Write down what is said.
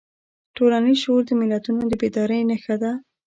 ټولنیز شعور د ملتونو د بیدارۍ نښه ده.